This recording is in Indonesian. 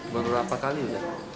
berapa kali udah